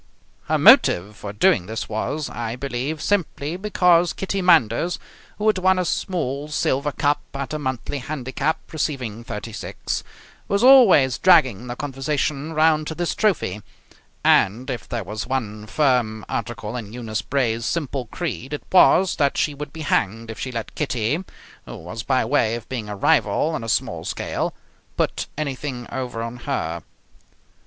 Her motive for doing this was, I believe, simply because Kitty Manders, who had won a small silver cup at a monthly handicap, receiving thirty six, was always dragging the conversation round to this trophy, and if there was one firm article in Eunice Bray's simple creed it was that she would be hanged if she let Kitty, who was by way of being a rival on a small scale, put anything over on her.